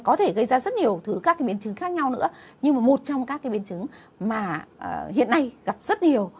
có thể gây ra rất nhiều thứ các cái biến chứng khác nhau nữa nhưng mà một trong các cái biến chứng mà hiện nay gặp rất là nhiều